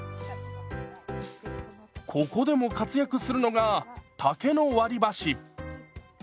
ここでも活躍するのが竹の割り箸。